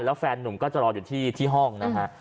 แล้วแฟนนุ่มก็จะรออยู่ที่ห้องนะฮะ